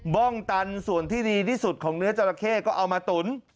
้องตันส่วนที่ดีที่สุดของเนื้อจราเข้ก็เอามาตุ๋น